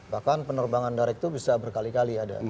bahkan penerbangan direct itu bisa berkali kali ada